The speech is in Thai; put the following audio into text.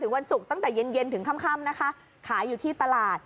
วันศุกร์ตั้งแต่เย็นถึงค่ำนะคะขายอยู่ที่ตลาด